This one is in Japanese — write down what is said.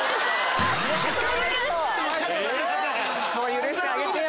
許してあげてよ。